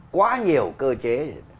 quá nhiều cơ chế